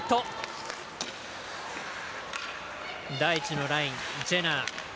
第１のライン、ジェナー。